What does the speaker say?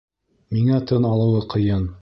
Миңә тын алыуы ҡыйын.